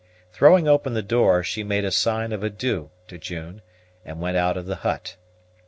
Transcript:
Throwing open the door, she made a sign of adieu to June, and went out of the hut.